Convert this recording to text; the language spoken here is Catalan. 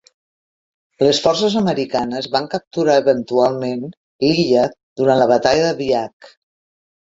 Les forces americanes van capturar eventualment l'illa durant la batalla de Biak.